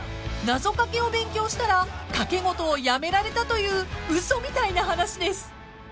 ［謎掛けを勉強したら賭け事をやめられたという嘘みたいな話です］